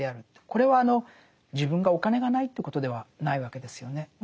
これは自分がお金がないということではないわけですよね。